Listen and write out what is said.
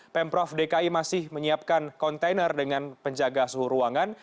pemprov dki masih menyiapkan kontainer dengan penjaga suhu ruangan